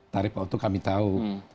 tarif pak oto kami tahu